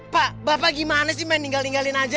pak bapak gimana sih main tinggal ninggalin aja